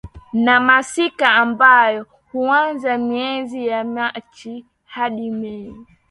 na Masika ambayo huanza miezi ya Machi hadi Mei